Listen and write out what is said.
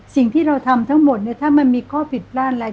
สิ่งที่เราทำทั้งหมดเนี่ยถ้ามันมีข้อผิดพลาดอะไร